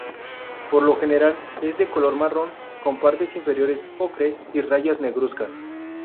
Por lo general, es de color marrón con partes inferiores ocre y rayas negruzcas.